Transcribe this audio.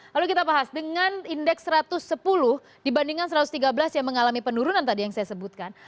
lalu kita bahas dengan indeks satu ratus sepuluh dibandingkan satu ratus tiga belas yang mengalami penurunan tadi yang saya sebutkan